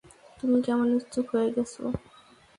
তুমি কেমন নিশ্চুপ হয়ে গেছ!